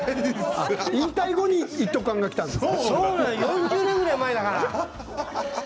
引退後に一斗缶が来たんですか？